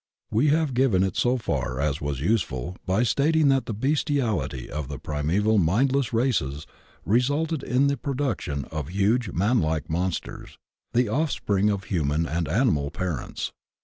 We 130 THE OCEAN OF THEOSOPHY have given it so far as was useful by stating that the bestiality of the primeval mindless races resulted in the production of huge man like monsters — ^the offspring of human and animal parents.